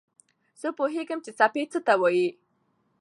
زه پوهېږم چې څپې څه ته وايي.